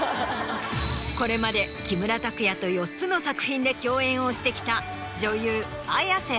これまで木村拓哉と４つの作品で共演をしてきた。